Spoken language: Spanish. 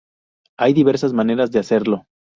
Hay diversas maneras de hacerlo.